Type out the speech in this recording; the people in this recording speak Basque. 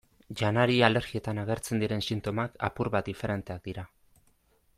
Janari-alergietan agertzen diren sintomak apur bat diferenteak dira.